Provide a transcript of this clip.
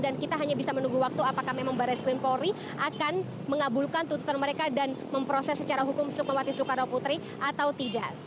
dan kita hanya bisa menunggu waktu apakah memang barreskrim polri akan mengabulkan tututan mereka dan memproses secara hukum soekarno putri atau tidak